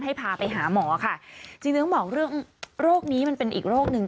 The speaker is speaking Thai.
พาไปหาหมอค่ะจริงต้องบอกเรื่องโรคนี้มันเป็นอีกโรคหนึ่ง